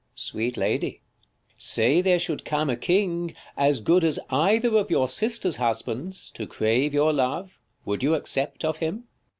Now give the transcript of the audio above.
King. Sweet lady, say there should come a king, 7 5 As good as either of your sisters' husbands, To crave your love, would you accept of him